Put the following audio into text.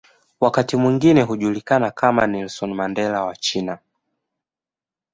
Wakati mwingine hujulikana kama "Nelson Mandela wa China".